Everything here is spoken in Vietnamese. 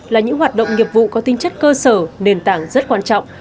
là những hoạt động nghiệp vụ có tinh chất cơ sở nền tảng rất quan trọng